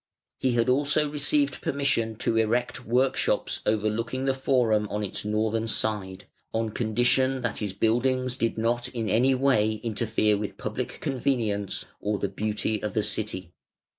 He had also received permission to erect workshops overlooking the Forum on its northern side, on condition that his buildings did not in any way interfere with public convenience or the beauty of the city.